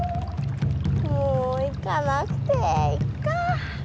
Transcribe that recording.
もう行かなくていっか！